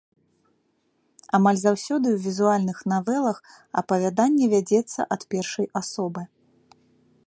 Амаль заўсёды ў візуальных навелах апавяданне вядзецца ад першай асобы.